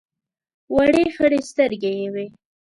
وړې خړې سترګې یې وې.